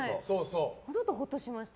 ちょっと、ほっとしました。